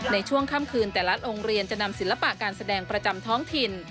ในช่วงค่ำคืนแต่ละโรงเรียนจะนำศิลปะการแสดงประจำท้องถิ่น